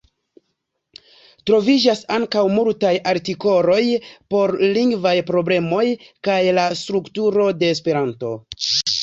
Troviĝas ankaŭ multaj artikoloj pri lingvaj problemoj kaj la strukturo de Esperanto.